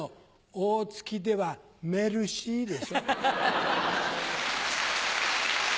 大月では「メルシー」でしょう。